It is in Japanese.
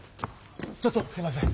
ちょっとすいません。